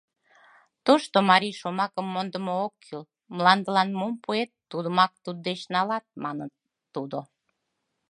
Тошто марий шомакым мондымо ок кӱл: «Мландылан мом пуэт, тудымак туддеч налат», — манын тудо.